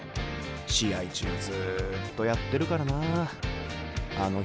試合中ずっとやってるからなあの人。